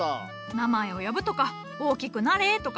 名前を呼ぶとか「大きくなれ」とか。